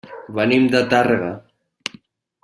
Venim de Tàrrega.